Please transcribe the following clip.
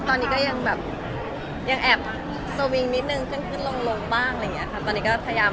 ครั้งนี้นะครับก็พอใจแล้วค่ะเพราะว่าตอนนี้ก็ต้องแบบ